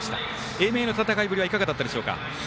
英明の戦いぶりはいかがだったでしょうか。